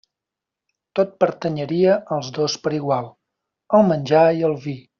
Tot pertanyeria als dos per igual: el menjar i el vi.